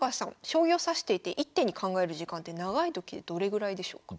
将棋を指していて１手に考える時間って長いときでどれぐらいでしょうか？